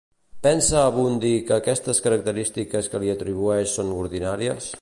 Pensa Abundi que aquestes característiques que li atribueix són ordinàries?